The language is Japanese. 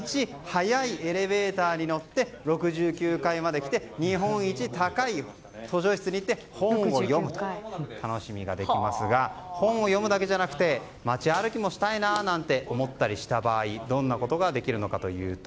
速いエレベーターに乗って６９階まで来て日本一高い図書室にて本を読むという楽しみができますが本を読むだけじゃなくて街歩きもしたいななんて思ったりした場合どんなことができるのか。